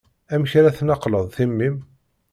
Amek ara tnaqleḍ timmi-m.